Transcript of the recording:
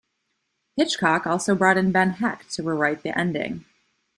Hitchcock also brought in Ben Hecht to rewrite the ending.